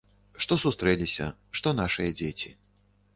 Што сустрэліся, што нашыя дзеці.